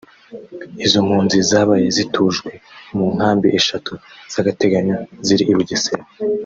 Izo mpunzi zabaye zitujwe mu nkambi eshatu z’agateganyo ziri i Bugesera